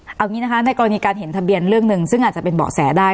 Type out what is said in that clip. เอาอย่างนี้นะคะในกรณีการเห็นทะเบียนเรื่องหนึ่งซึ่งอาจจะเป็นเบาะแสได้